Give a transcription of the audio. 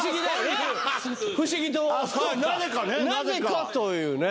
なぜかというね。